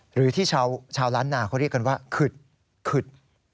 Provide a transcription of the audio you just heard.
หรือที่ชาวล้านนาเขาเรียกกันว่าขึดขึด